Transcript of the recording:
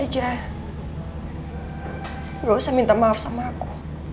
tidak perlu minta maaf pada aku